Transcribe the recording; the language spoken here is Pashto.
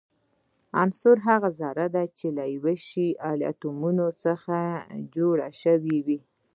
عنصر هغه ذره ده چي له يو شان اتومونو څخه جوړ سوی وي.